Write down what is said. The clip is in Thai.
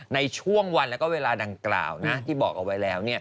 ในช่วงวันแล้วก็เวลาดังกล่าวที่บอกเอาไว้แล้ว